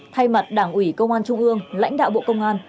thay mặt đảng ủy công an trung ương lãnh đạo bộ công an